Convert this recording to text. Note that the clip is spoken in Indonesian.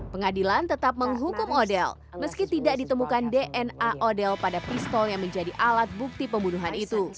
pengadilan tetap menghukum odel meski tidak ditemukan dna odel pada pistol yang menjadi alat bukti pembunuhan itu